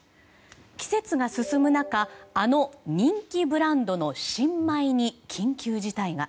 季節が進む中あの人気ブランドの新米に緊急事態が。